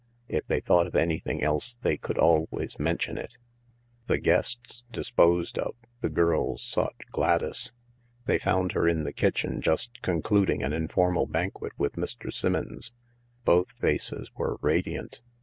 If they thought of anything else they could always mention it. The guests disposed of, the girls sought Gladys. They found her in the kitchen just concluding an informal banquet with Mr. Simmons. Both faces were radiant.